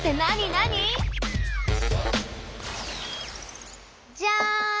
何？じゃん！